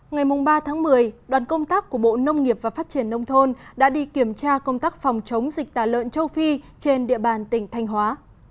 ngày ba tháng một mươi đoàn công tác của bộ nông nghiệp và phát triển nông thôn đã đi kiểm tra công tác phòng chống dịch tả lợn châu phi trên địa bàn tỉnh thanh hóa